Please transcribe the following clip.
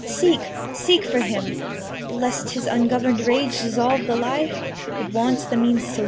Seek, seek for him! Lest his ungovern'd rage dissolve the life That wants the means to lead it.